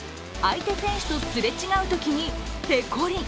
相手選手とすれ違うときにペコリ。